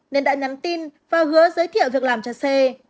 nên đã nhắn tin và hứa giới thiệu việc làm cho xê